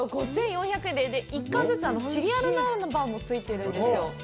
５４００円で１個ずつシリアルナンバーも付いてるんですよ。